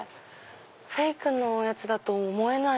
フェイクのやつだと思えない。